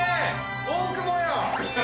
大久保や。